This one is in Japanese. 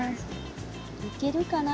いけるかな？